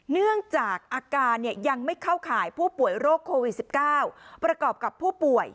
เนื่องจากอาการยังไม่เข้าข่ายผู้ป่วยโรคโควิด๑๙ประกอบกับผู้ป่วย